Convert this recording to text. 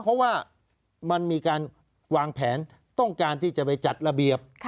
เพราะว่ามันมีการวางแผนต้องการที่จะไปจัดระเบียบ